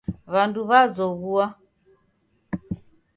W'andu w'azoghua.